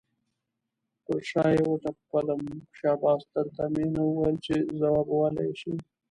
پر شا یې وټپلم، شاباس در ته مې نه ویل چې ځوابولی یې شې.